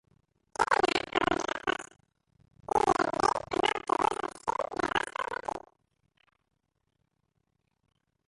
He d'anar a Bonrepòs i Mirambell amb autobús el cinc d'agost al matí.